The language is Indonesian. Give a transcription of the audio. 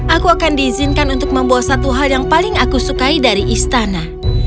aku akan diizinkan untuk membawa satu hal yang paling aku sukai dari istana